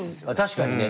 確かにね。